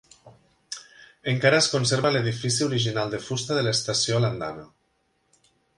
Encara es conserva l'edifici original de fusta de l'estació a l'andana.